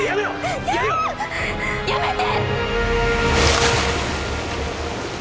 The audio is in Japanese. やめて！